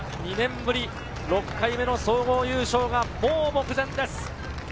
２年ぶり６回目の総合優勝が目前です。